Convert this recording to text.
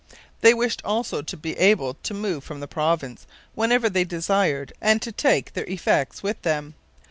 They wished also to be able to move from the province whenever they desired, and to take their effects with them.